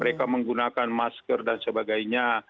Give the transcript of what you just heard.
jadi kita harus menggunakan masker dan sebagainya